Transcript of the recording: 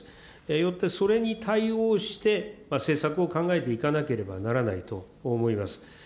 よってそれに対応して、政策を考えていかなければならないと思います。